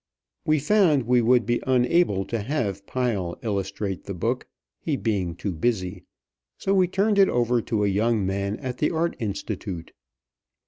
We found we would be unable to have Pyle illustrate the book, he being too busy, so we turned it over to a young man at the Art Institute.